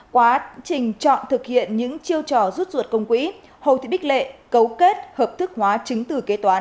quá trình chọn thực hiện những chiêu trò rút ruột công quỹ hồ thị bích lệ cấu kết hợp thức hóa chứng từ kế toán